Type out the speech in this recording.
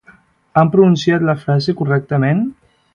Han pronunciat la frase correctament?